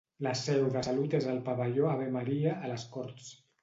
La seu de Salut és al pavelló Ave Maria, a les Corts.